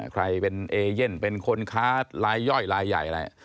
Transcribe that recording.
ใครเป็นเอเย่นเป็นคนค้าลายย่อยลายใหญ่อะไร